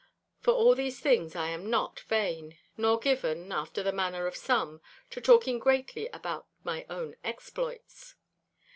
For of all things I am not vain, nor given, after the manner of some, to talking greatly about my own exploits.